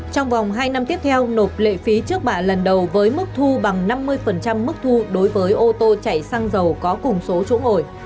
trong vòng hai năm tiếp theo nộp lệ phí trước bạ lần đầu với mức thu bằng năm mươi mức thu đối với ô tô chạy xăng dầu có cùng số chỗ ngồi